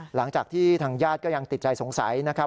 หลังจากที่ทางญาติก็ยังติดใจสงสัยนะครับ